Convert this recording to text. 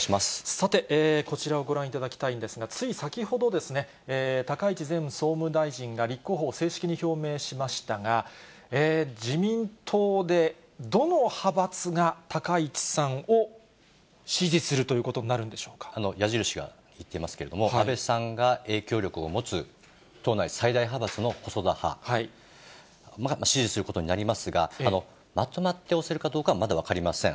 さて、こちらをご覧いただきたいんですが、つい先ほど、高市前総務大臣が立候補を正式に表明しましたが、自民党でどの派閥が高市さんを支持するということになるんでしょ矢印がいっていますけれども、安倍さんが影響力を持つ、党内最大派閥の細田派、支持することになりますが、まとまって推せるかどうかはまだ分かりません。